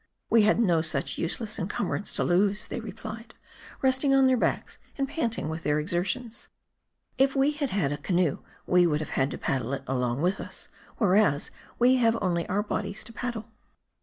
" We had no such useless incumbrance to lose," they re plied, resting on their backs, and panting with their exer tions. " If we had had a canoe, we would have had to paddle it along with us ; whereas we have only our bodies to paddle."